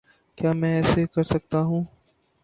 کیا میں ایسا کر سکتا ہوں؟